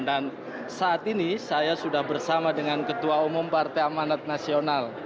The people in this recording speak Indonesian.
dan saat ini saya sudah bersama dengan ketua umum partai amanat nasional